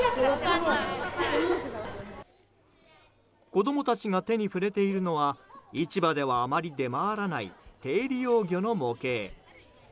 子供たちが手に触れているのは市場では、あまり出回らない低利用魚の模型。